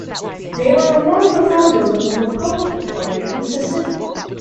They were among the founders of the Republican party in Mississippi.